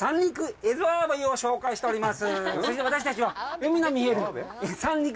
蝦夷アワビを紹介しております。